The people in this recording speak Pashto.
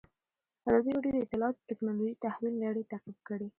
ازادي راډیو د اطلاعاتی تکنالوژي د تحول لړۍ تعقیب کړې.